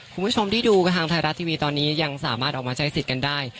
คุณผู้ชมที่ดูกันทางไทยรัฐทีวีตอนนี้ยังสามารถออกมาใช้สิทธิ์กันได้